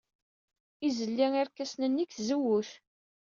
Izelli irkasen-nni seg tzewwut.